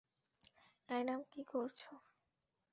Adam, কী করছো?